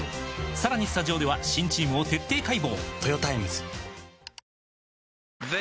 さらにスタジオでは新チームを徹底解剖！